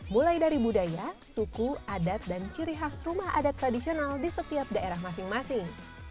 mulai dari budaya suku adat dan ciri khas rumah adat tradisional di setiap daerah masing masing